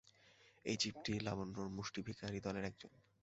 এই জীবটি লাবণ্যর মুষ্টিভিখারিদলের একজন।